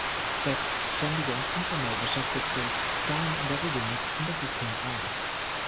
Selbstständige und informell Beschäftigte zahlen in der Regel nicht in das System ein.